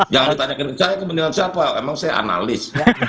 jangan ditanyakan kebenaran siapa emang saya analis